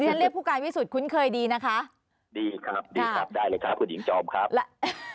ท่านเรียกผู้การวิสุทธิ์คุณเคยดีนะคะดีครับได้เลยค่ะคุณหญิงจอมครับ